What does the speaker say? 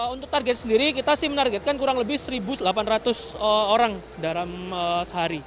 untuk target sendiri kita sih menargetkan kurang lebih satu delapan ratus orang dalam sehari